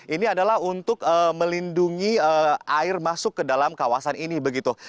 ini adalah untuk melindungi air masuk ke dalam kawasan ini begitu